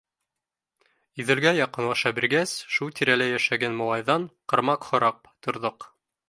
Иҙелгә яҡынлаша биргәс, шул тирәлә йәшәгән малайҙан ҡармаҡ һорап торҙоҡ.